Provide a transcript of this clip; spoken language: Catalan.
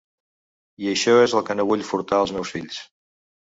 I això és el que no vull furtar als meus fills.